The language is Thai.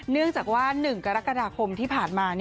เนื่องจากว่า๑กรกฎาคมที่ผ่านมา